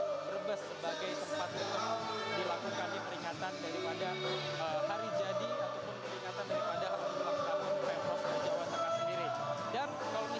brebes sebagai tempat bertemu dilakukan diperingatan daripada hari jadi ataupun diperingatan daripada hal hal yang telah dilakukan oleh pempros dari jawa tengah sendiri